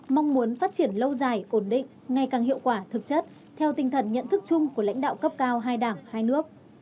mong muốn phát triển lâu dài ổn định ngày càng hiệu quả thực chất theo tinh thần nhận thức chung của lãnh đạo cấp cao hai đảng hai nước